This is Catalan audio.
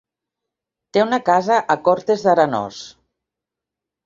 Té una casa a Cortes d'Arenós.